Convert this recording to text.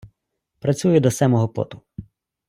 Працює до семого поту.